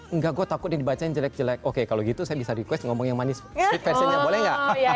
enggak gue takut dibacanya jelek jelek oke kalau gitu saya bisa request ngomong yang manis sweet versionnya boleh gak